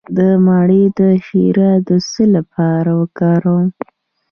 د مڼې شیره د څه لپاره وکاروم؟